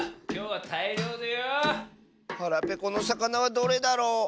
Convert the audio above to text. はらぺこのさかなはどれだろう。